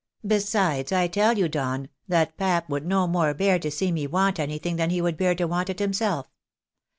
Besides I tell you, Don, that pap would no more bear to see me want anything, than he would bear to want it himself.